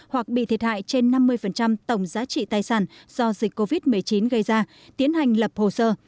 hoặc bị thiệt hại trên năm mươi tổng giá trị tài sản do dịch covid một mươi chín gây ra tiến hành lập hồ sơ